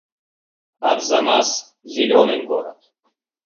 Арзамас — зелёный город